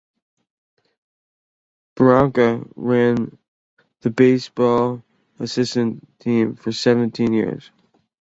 Branca ran the Baseball Assistance Team for seventeen years.